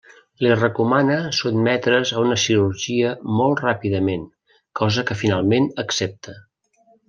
Li recomana sotmetre's a una cirurgia molt ràpidament, cosa que finalment accepta.